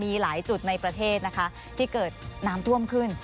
มีหลายจุดในประเทศนะคะที่เกิดน้ำท่วมขึ้น